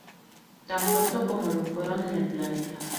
Tan pronto como lo fueron en el planeta.